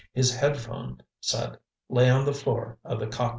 His headphone set lay on the floor of the cockpit.